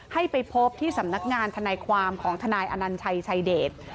ให้ไปพบที่สำนักงานทนายความของทนายอนัญชัยชายเดช